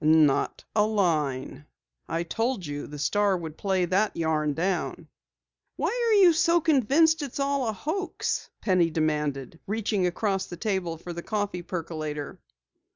"Not a line. I told you the Star would play that yarn down." "Why are you so convinced it's all a hoax?" Penny demanded, reaching across the table for the coffee percolator.